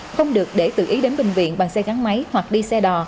không được để tự ý đến bệnh viện bằng xe gắn máy hoặc đi xe đò